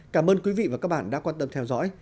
cảm ơn quý vị và các bạn đã quan tâm theo dõi